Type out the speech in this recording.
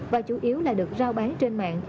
và chủ yếu là được rao bán trên mạng